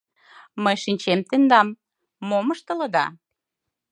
— Мый шинчем тендам — мом ыштылыда...